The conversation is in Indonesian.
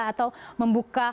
atau membuka perusahaan